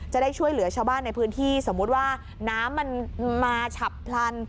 จะได้ช่วยเหลือชาวบ้านในพื้นที่สมมุติว่าน้ำมันมาฉับพลัน